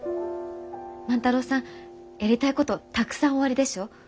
万太郎さんやりたいことたくさんおありでしょう？